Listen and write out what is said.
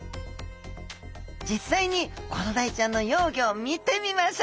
実際にコロダイちゃんの幼魚を見てみましょう！